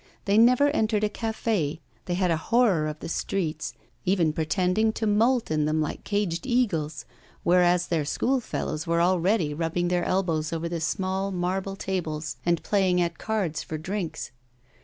They never entered a café, they had a horror of the streets, even pretending to moult in them like caged eagles, whereas their schoolfellows were already rubbing their elbows over the small marble tables and playing at cards for drinks.